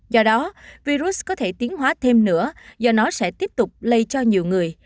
do đó virus có thể tiến hóa thêm nữa do nó sẽ tiếp tục lây cho nhiều người